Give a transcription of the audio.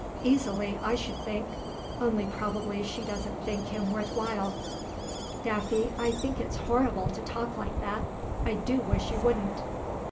"Easily, I should think. Only probably she doesn't think him worth while." "Daffy, I think it's horrible to talk like that. I do wish you wouldn't."